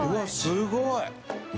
すごい！何？